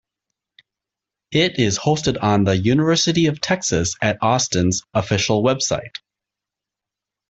It is hosted on The University of Texas at Austin's official website.